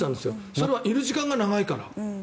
それはいる時間が長いから。